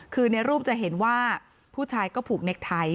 คือในรูปจะเห็นว่าผู้ชายก็ผูกเน็กไทย